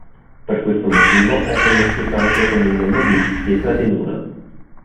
Per questo motivo è conosciuta anche con il nome di "pietra di luna".